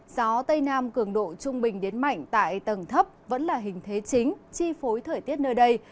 gió tây nam cường độ trung bình đến mạnh tại tầng thấp vẫn là hình thế chính chi phối thời tiết nơi đây